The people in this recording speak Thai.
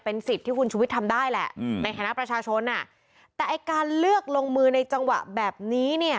สิทธิ์ที่คุณชุวิตทำได้แหละในฐานะประชาชนอ่ะแต่ไอ้การเลือกลงมือในจังหวะแบบนี้เนี่ย